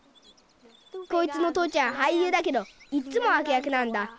こいつの父ちゃんはいゆうだけどいっつもあくやくなんだ。